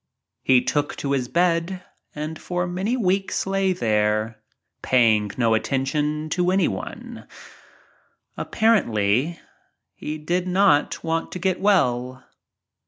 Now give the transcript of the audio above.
He took to his bed and for many weeks lay there, paying no attention to anyone. Apparently he did not want to get well.